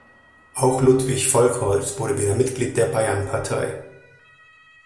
Auch Ludwig Volkholz wurde wieder Mitglied der Bayernpartei.